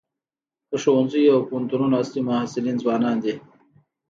د ښوونځیو او پوهنتونونو اصلي محصلین ځوانان دي.